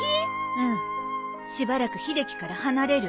うんしばらく秀樹から離れる。